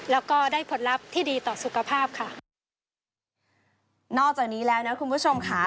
แล้วก็ได้ผลลัพธ์ที่ดีต่อสุขภาพค่ะนอกจากนี้แล้วนะคุณผู้ชมค่ะ